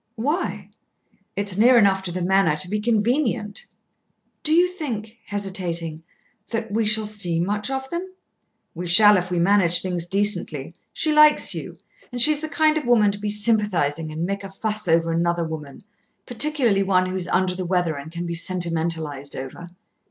"Why?" "It's near enough to the Manor to be convenient." "Do you think," hesitating, "that we shall see much of them?" "We shall if we manage things decently. She likes you, and she's the kind of woman to be sympathising and make a fuss over another woman particularly one who is under the weather and can be sentimentalised over."